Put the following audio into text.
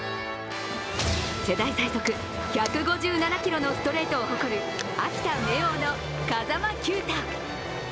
世代最速１５７キロのストレートを誇る秋田・明桜の風間球打。